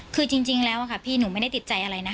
คือจริงแล้วค่ะพี่หนูไม่ได้ติดใจอะไรนะ